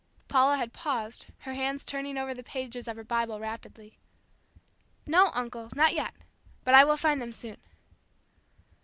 Paula had paused, her hand turning over the pages of her Bible rapidly. "No, uncle, not yet, but I will find them soon."